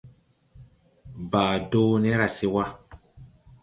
Baa do ne ra se wa.